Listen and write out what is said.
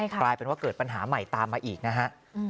กลายเป็นว่าเกิดปัญหาใหม่ตามมาอีกนะฮะ